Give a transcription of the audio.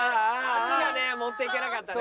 足がね持っていけなかったね。